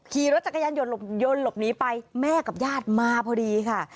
ขี่รถจักรยานยนต์หลบหนีไปแม่กับญาติมาพอดีค่ะ